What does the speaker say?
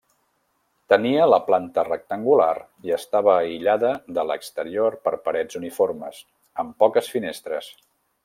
Tenia la planta rectangular i estava aïllada de l'exterior per parets uniformes, amb poques finestres.